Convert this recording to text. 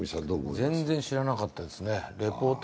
全然知らなかったですね、レポート